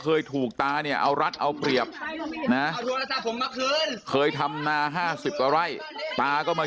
เคยถูกตาเนี่ยเอารัฐเอาเปรียบนะเคยทำนา๕๐กว่าไร่ตาก็มา